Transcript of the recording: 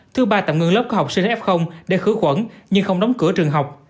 thứ ba tạm ngừng lớp có học sinh f để khử khuẩn nhưng không đóng cửa trường học